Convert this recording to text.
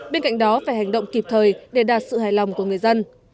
bên cạnh đó phải hành động kịp thời để đạt sự hài lòng của người dân